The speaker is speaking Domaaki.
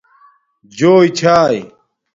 جݸݵ چھائئ